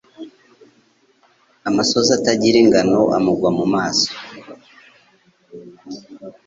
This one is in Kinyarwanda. Amosozi atagira ingano amugwa mu maso.